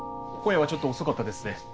今夜はちょっと遅かったですね。